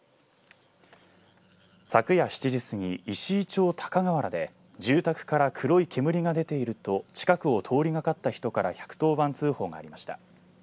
昨夜７時過ぎ石井町高川原で住宅から黒い煙が出ていると近くを通りがかった人から１１０番通報がありました。